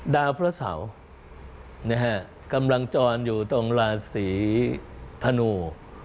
ดาวพระเสากำลังจรอยู่ตรงราศีธนู